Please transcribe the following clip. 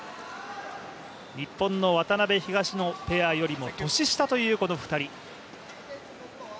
日本の渡辺・東野ペアよりも年下というこの２人。